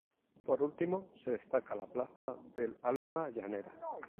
Por último se destaca la Plaza del Alma Llanera.